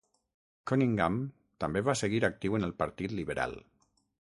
Cunningham també va seguir actiu en el Partit Liberal.